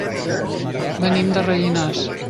Venim de Rellinars.